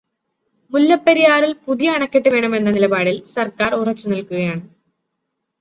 മുല്ലപ്പെരിയാറിൽ പുതിയ അണക്കെട്ട് വേണമെന്ന നിലപാടിൽ സർക്കാർ ഉറച്ചു നിൽക്കുകയാണ്.